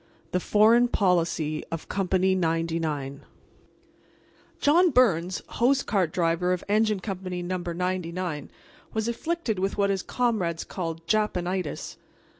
THE FOREIGN POLICY OF COMPANY 99 John Byrnes, hose cart driver of Engine Company No. 99, was afflicted with what his comrades called Japanitis.